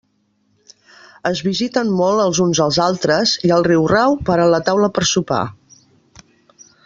Es visiten molt els uns als altres, i al riurau paren la taula per a sopar.